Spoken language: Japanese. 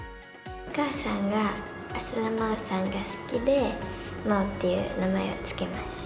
お母さんが浅田真央さんが好きで、麻央っていう名前を付けました。